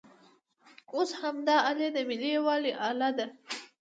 اوس همدا الې د ملي یووالي الې ده.